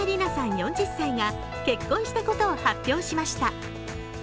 ４０歳が結婚したことを発表しました。